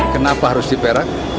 kenapa harus diperang